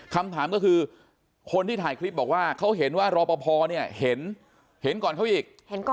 คำถามก็คือคนที่ถ่ายคลิปบอกว่าเขาเห็นว่ารอปภเนี่ยเห็นก่อนเขาอีก